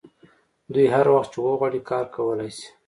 دوی هر وخت چې وغواړي کار کولی شي